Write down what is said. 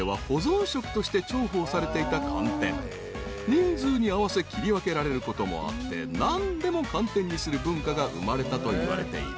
［人数に合わせ切り分けられることもあって何でも寒天にする文化が生まれたといわれている］